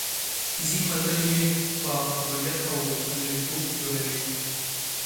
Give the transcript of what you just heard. ځينې ملګري مې په قبيلويت او کنداريتوب توروي.